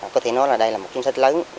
có thể nói đây là một chính sách lớn